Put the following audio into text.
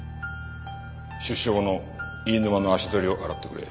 出所後の飯沼の足取りを洗ってくれ。